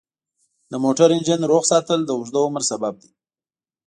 د موټر انجن روغ ساتل د اوږده عمر سبب دی.